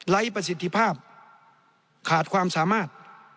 ประสิทธิภาพขาดความสามารถ